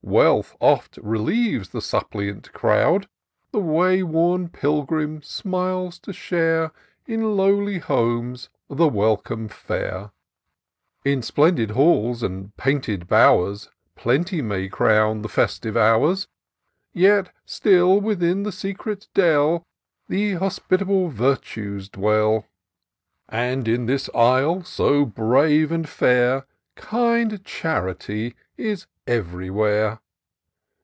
Wealth oft relieves the suppliant crowd. The wayworn pilgrim smiles to share. In lowly homes, the welcome fare. In splendid halls and painted bow'rs Plenty may crown the festive hours ; Yet still within the secret dell The hospitable Virtues dwell; And in this Isle, so brave and fair, Kind Charity is everywhere.